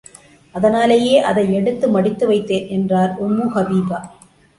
அதனாலேயே அதை எடுத்து மடித்து வைத்தேன் என்றார் உம்மு ஹபிபா.